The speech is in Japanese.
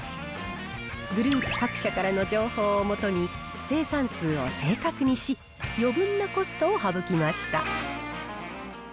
グループ各社からの情報を基に、生産数を正確にし、余分なコストを省きました。